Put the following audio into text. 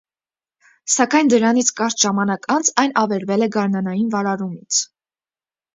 Սակայն դրանից կարճ ժամանակ անց այն ավերվել է գարնանային վարարումից։